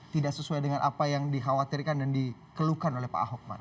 tidak sesuai dengan apa yang dikhawatirkan dan dikeluhkan oleh pak ahok